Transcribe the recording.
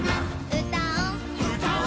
「うたお」うたお。